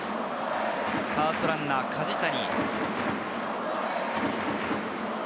ファーストランナー・梶谷。